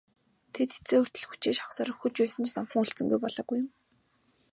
Тэд эцсээ хүртэл хүчээ шавхсаар үхэж байсан ч номхон хүлцэнгүй болоогүй юм.